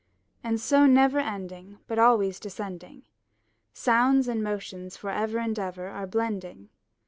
And so never ending, but always descending, Sounds and motions forever and ever are blending.